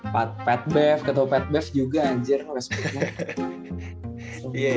pat bev ketemu pat bev juga anjir westbrooknya